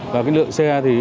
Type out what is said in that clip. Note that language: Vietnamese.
và cái lượng xe thì